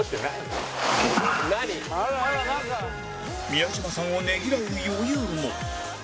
宮嶋さんをねぎらう余裕も